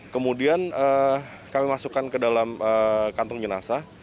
kemudian kami masukkan ke dalam kantung jenazah